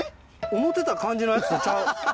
思ってた感じのやつとちゃう。